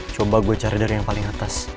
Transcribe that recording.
coba gue cari dari yang paling atas